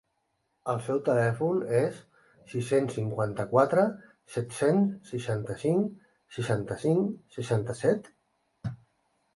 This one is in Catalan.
El seu telèfon és sis-cents cinquanta-quatre set-cents seixanta-cinc seixanta-cinc seixanta-set?